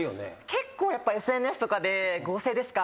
結構ＳＮＳとかで合成ですか？